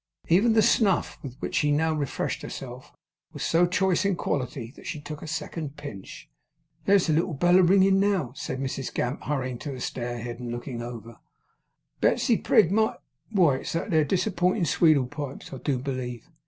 Even the snuff with which she now refreshed herself, was so choice in quality that she took a second pinch. 'There's the little bell a ringing now,' said Mrs Gamp, hurrying to the stair head and looking over. 'Betsey Prig, my why it's that there disapintin' Sweedlepipes, I do believe.